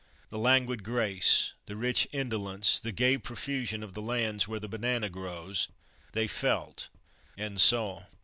The languid grace, the rich indolence, the gay profusion of the lands where the banana grows, they felt and saw.